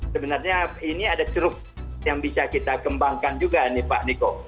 sebenarnya ini ada ceruk yang bisa kita kembangkan juga nih pak niko